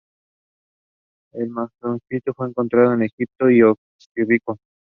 El manuscrito fue encontrado en Egipto, en Oxirrinco.